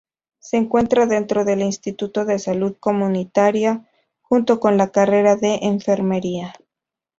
Se encuentra dentro del instituto de salud comunitaria junto con la carrera de Enfermería.